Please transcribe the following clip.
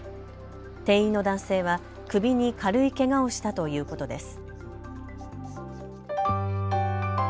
店員の男性は首に軽いけがをしたということです。